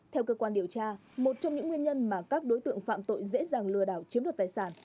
theo cơ quan điều tra một trong những nguyên nhân mà các đối tượng phạm tội dễ dàng lừa đảo chiếm đoạt tài sản